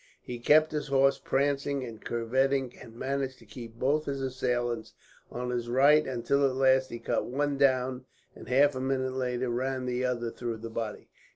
He kept his horse prancing and curvetting, and managed to keep both his assailants on his right; until at last he cut one down and, half a minute later, ran the other through the body.